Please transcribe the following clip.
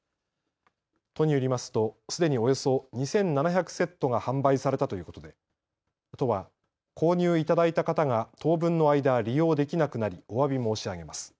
都によりますとすでにおよそ２７００セットが販売されたということで都は購入いただいた方が当分の間、利用できなくなりおわび申し上げます。